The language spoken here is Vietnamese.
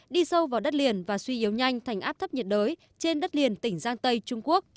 đi sâu vào đất liền và suy yếu nhanh thành áp thấp nhiệt đới trên đất liền tỉnh giang tây trung quốc